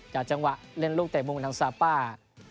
จังหวะเล่นลูกเตะมุมทางซาป้า